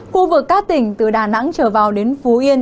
khu vực các tỉnh từ đà nẵng trở vào đến phú yên